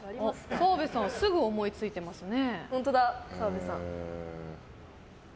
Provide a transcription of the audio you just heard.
澤部さんすぐ思いついてますね。